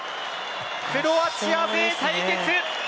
クロアチア勢対決。